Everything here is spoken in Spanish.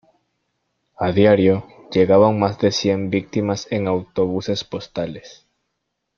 A diario llegaban más de cien víctimas en autobuses-postales.